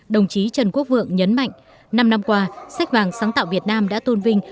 đồng chí trần quốc vượng nhấn mạnh năm năm qua sách vàng sáng tạo việt nam đã tôn vinh